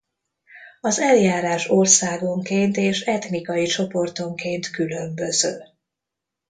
Az eljárás országonként és etnikai csoportonként különböző.